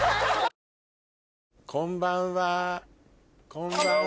こんばんは。